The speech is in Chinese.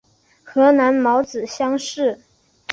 河南戊子乡试。